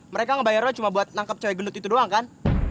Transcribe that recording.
mereka ngebayar lo cuma buat nangkep cewek gendut itu doang kan